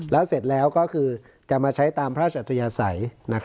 แล้วเสร็จแล้วก็คือจะมาใช้ตามพระราชอัธยาศัย